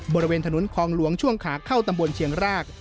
บริเวณถนนคลองหลวงช่วงขาเข้าตำบลเชียงราก